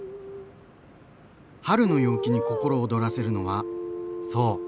春の陽気に心躍らせるのはそうこの人も。